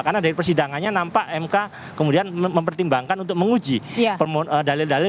karena dari persidangannya nampak mk kemudian mempertimbangkan untuk menguji dalil dalil